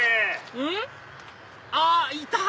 うん？あっいた！